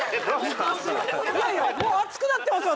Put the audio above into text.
いやいやもう熱くなってますよ